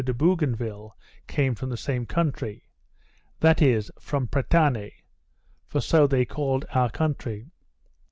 de Bougainville came from the same country, that is, from Pretane, for so they called our country.